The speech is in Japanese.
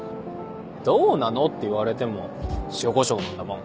「どうなの」って言われても塩コショウなんだもん。